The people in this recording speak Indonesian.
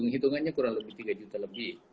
hitungannya kurang lebih tiga juta lebih